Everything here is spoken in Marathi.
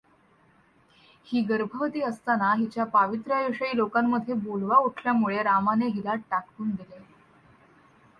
ही गर्भवती असताना, हिच्या पावित्र्याविषयी लोकांमध्ये बोलवा उठल्यामुळे रामाने हिला टाकून दिले.